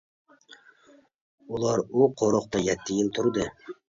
ئۇلار ئۇ قورۇقتا يەتتە يىل تۇردى.